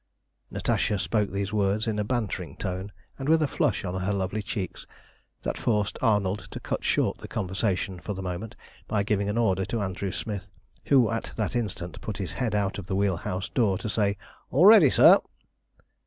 Natasha spoke these words in a bantering tone, and with a flush on her lovely cheeks, that forced Arnold to cut short the conversation for the moment, by giving an order to Andrew Smith, who at that instant put his head out of the wheel house door to say "All ready, sir!"